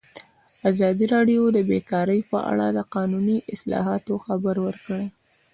ازادي راډیو د بیکاري په اړه د قانوني اصلاحاتو خبر ورکړی.